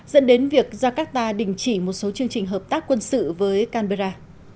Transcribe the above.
dẫn đến việc jakarta đình chỉ một số chương trình hợp tác quân sự với canberra